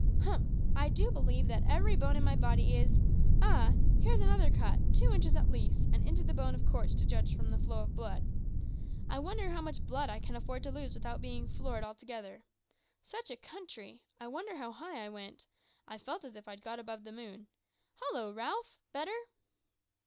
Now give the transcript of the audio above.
Humph! I do believe that every bone in my body is ah! here's another cut, two inches at least, and into the bone of course, to judge from the flow of blood. I wonder how much blood I can afford to lose without being floored altogether. Such a country! I wonder how high I went. I felt as if I'd got above the moon. Hollo, Ralph! better?"